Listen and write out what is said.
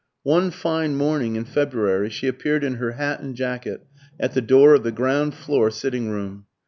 One fine morning in February she appeared in her hat and jacket at the door of the ground floor sitting room.